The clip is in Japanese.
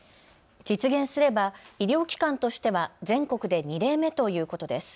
実現すれば医療機関としては全国で２例目ということです。